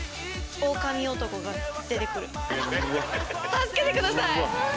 助けてください！